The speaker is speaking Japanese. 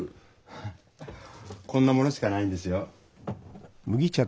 フッこんなものしかないんですよ。